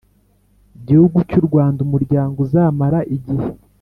Gihugu cy u rwanda umuryango uzamara igihe